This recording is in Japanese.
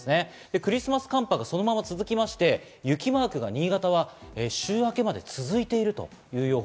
クリスマス寒波が続きまして、雪マークが新潟は週明けまで続いているという予報。